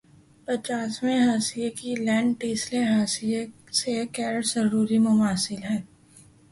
پچاسویں حاشیے کی لینتھ تیسرے حاشیے سے غیر شعوری مماثل ہے